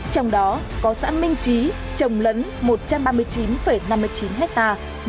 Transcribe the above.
trong đó có xã minh chí trồng lẫn một trăm ba mươi chín năm mươi chín hectare